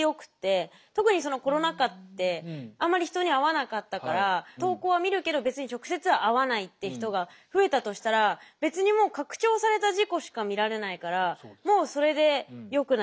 特にそのコロナ禍ってあんまり人に会わなかったから投稿は見るけど別に直接は会わないっていう人が増えたとしたら別にもうっていうふうになるんですよね。